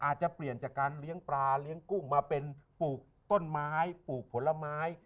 อาจจะเปลี่ยนจากการเลี้ยงปลาเลี้ยงกุ้งมาเป็นปลูกต้นไม้ปลูกผลไม้